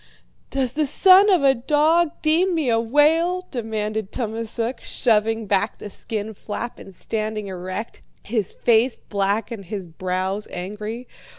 "'Does the son of a dog deem me a whale?' demanded Tummasook, shoving back the skin flap and standing erect, his face black and his brows angry.